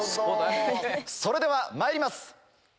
それではまいります。